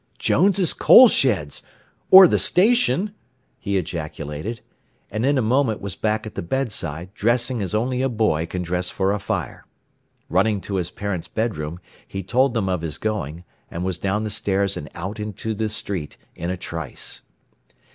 "Jones' coal sheds! Or the station!" he ejaculated, and in a moment was back at the bedside, dressing as only a boy can dress for a fire. Running to his parents' bedroom he told them of his going, and was down the stairs and out into the street in a trice.